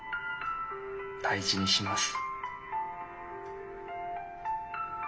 「大事にします」。